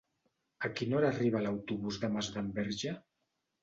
A quina hora arriba l'autobús de Masdenverge?